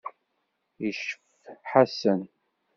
Yeccef Ḥasan.